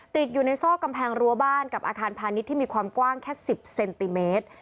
ติดอยู่ในซอกกำแพงรั้วบ้านกับอาคารพาณิชย์ที่มีความกว้างแค่๑๐เซนติเมตร